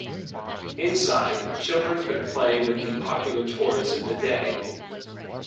Inside, children could play with the popular toys of the day.